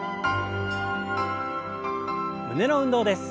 胸の運動です。